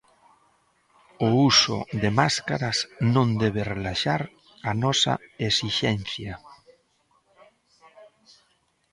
O uso de máscaras non debe relaxar a nosa esixencia.